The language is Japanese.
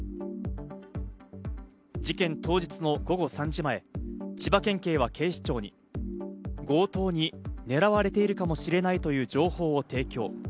事件当日の午後３時前、千葉県警は警視庁に強盗に狙われているかもしれないという情報を提供。